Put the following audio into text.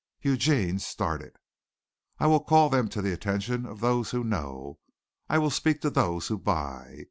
(Eugene started.) "I will call them to the attention of those who know. I will speak to those who buy.